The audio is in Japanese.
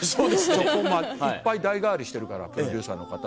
そこいっぱい代替わりしてるからプロデューサーの方は。